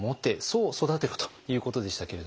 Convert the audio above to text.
そう育てろということでしたけれども。